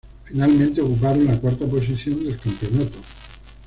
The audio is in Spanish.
Finalmente ocuparon la cuarta posición del campeonato.